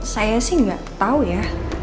saya sih gak tau ya